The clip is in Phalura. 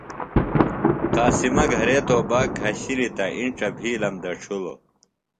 قاسمہ گھرے توباک گھشِلیۡ تہ اِنڇہ بِھیلم دڇھلوۡ۔